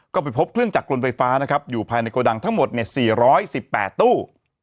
ก็ไปพบเครื่องจักรกลนไฟฟ้านะครับอยู่ภายในโกดังทั้งหมด๔๑๘ตู้